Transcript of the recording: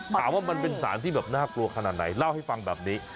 ถามว่ามันเป็นสารที่แบบน่ากลัวขนาดไหนเล่าให้ฟังแบบนี้